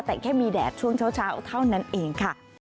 แต่แค่มีแดดช่วงเช้าเท่านั้นเองค่ะ